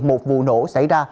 một vụ nổ xảy ra